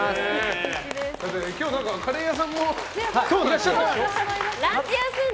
今日、カレー屋さんもいらっしゃると。